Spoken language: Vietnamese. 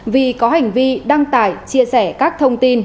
vì có hành vi đăng tải chia sẻ các thông tin